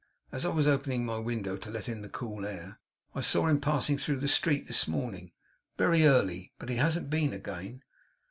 As I was opening my window to let in the cool air, I saw him passing through the street this morning, very early; but he hasn't been again.